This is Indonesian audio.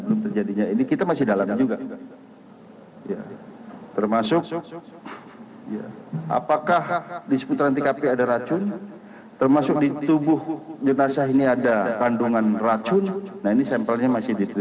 untuk menghubungi video ini berlangganan dan beri komentar